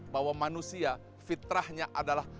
bahwa manusia fitrahnya adalah